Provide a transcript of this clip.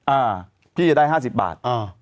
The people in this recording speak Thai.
อ่าพี่จะได้๕๐บาท